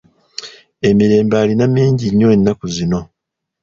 Emirembe alina mingi nnyo ennaku zino.